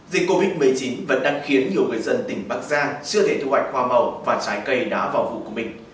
dịch covid một mươi chín vẫn đang khiến nhiều người dân tỉnh bắc giang chưa thể thu hoạch hoa màu và trái cây đã vào vụ của mình